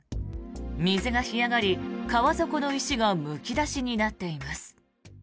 水が干上がり、川底の石がむき出しになっています。